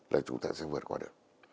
là chúng ta sẽ vượt qua được